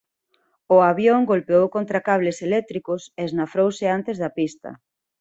O avión golpeou contra cables eléctricos e esnafrouse antes da pista.